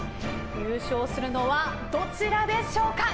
優勝するのはどちらでしょうか。